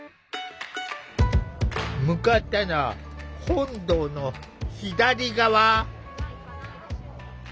向かったのは本堂の左側。